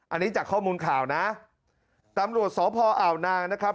อันนี้จากข้อมูลข่าวนะตำรวจสพอ่าวนางนะครับ